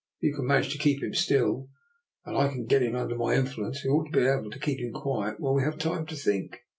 If you can manage to keep him still, and I can get him under my influence, we ought to be able to keep him quiet while we have time to think."